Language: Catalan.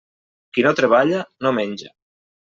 Qui no treballa, no menja.